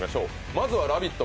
まずは「ラヴィット！」